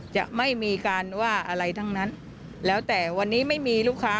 จะไม่มีการว่าอะไรทั้งนั้นแล้วแต่วันนี้ไม่มีลูกค้า